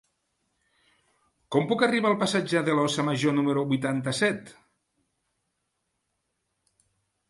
Com puc arribar al passatge de l'Óssa Major número vuitanta-set?